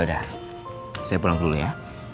udah saya pulang dulu ya